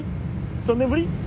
３年ぶり？